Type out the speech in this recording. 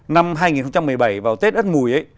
năm hai nghìn một mươi bảy vào tết ất mùi ấy